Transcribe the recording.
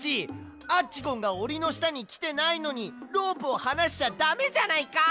アッチゴンがおりのしたにきてないのにロープをはなしちゃだめじゃないか！